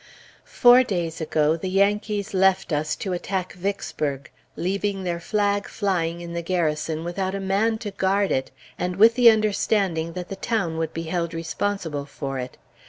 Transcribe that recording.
Four days ago the Yankees left us, to attack Vicksburg, leaving their flag flying in the Garrison without a man to guard it, and with the understanding that the town would be held responsible for it.